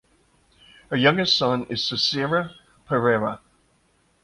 Her youngest son is Sisira Perera.